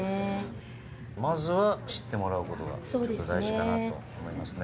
まずは知ってもらうことが大事だなと思いますね。